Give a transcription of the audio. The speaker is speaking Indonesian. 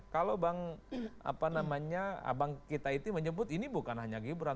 kalau abang kita itu menyebut ini bukan hanya gibran